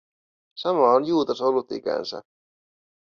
Sama on Juutas ollut ikänsä.